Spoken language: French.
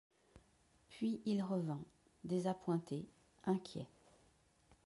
Puis, il revint, désappointé, inquiet.